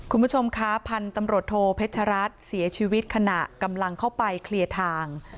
คุณผู้ชมคะพันธุ์ตำรวจโทเพชรัตน์เสียชีวิตขณะกำลังเข้าไปเคลียร์ทาง